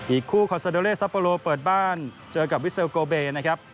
อีกคู่คอนซาโดเลซัปโปโลเปิดบ้านเจอกับวิเซลโกเบนะครับ